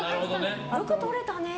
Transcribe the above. よく取れたね！